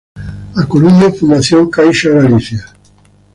A Coruña: Fundación Caixa Galicia.